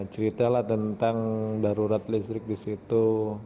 ceritalah tentang darurat listrik di situ